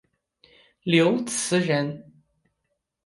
刘词人。